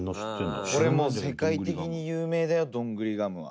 これ、世界的に有名だよどんぐりガムは。